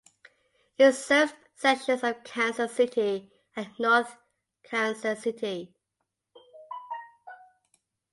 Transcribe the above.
It serves sections of Kansas City and North Kansas City.